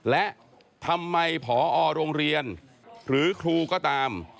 และทำไมผอโรงเรียนหรือครูก็ตาม